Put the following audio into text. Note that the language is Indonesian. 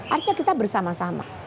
artinya kita bersama sama